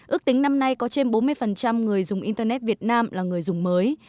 ước tính năm nay có trên bốn mươi người dùng internet việt nam là người dùng mới